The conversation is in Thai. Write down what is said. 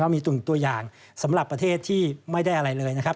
มีตุ่มตัวอย่างสำหรับประเทศที่ไม่ได้อะไรเลยนะครับ